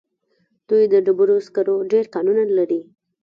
دوی د ډبرو سکرو ډېر کانونه لري.